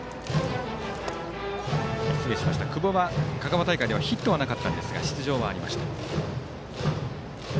失礼しました久保は香川大会ではヒットはなかったんですが出場はありました。